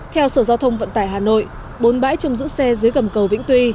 theo sở giao thông vận tải hà nội bốn bãi trông giữ xe dưới gầm cầu vĩnh tuy